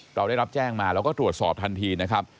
เราได้รับแจ้งมาเราก็ตรวจสอบทันทีนะครับ